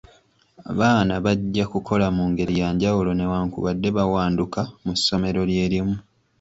Abaana bajja kukola mu ngeri ya njawulo newankubadde bawanduka mu ssomero lye limu.